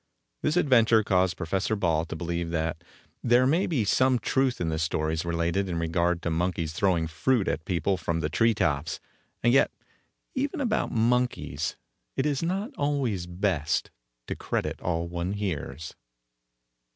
This adventure caused Professor Ball to believe that there may be some truth in the stories related in regard to monkeys throwing fruit at people from the tree tops, and yet even about monkeys it is not always best to credit all one hears.